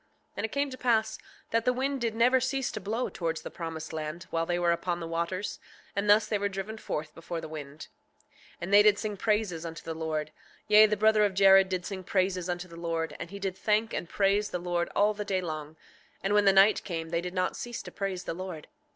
6:8 And it came to pass that the wind did never cease to blow towards the promised land while they were upon the waters; and thus they were driven forth before the wind. 6:9 And they did sing praises unto the Lord; yea, the brother of Jared did sing praises unto the Lord, and he did thank and praise the Lord all the day long; and when the night came, they did not cease to praise the Lord.